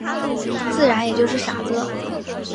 自然也就是傻子了。